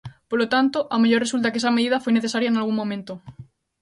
Polo tanto, ao mellor resulta que esa medida foi necesaria nalgún momento.